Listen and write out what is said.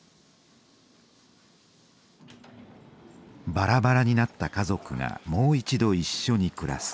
バラバラになった家族がもう一度一緒に暮らす。